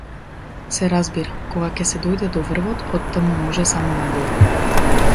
Се разбира, кога ќе се дојде до врвот, оттаму може само надолу.